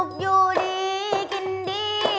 ธรรมดา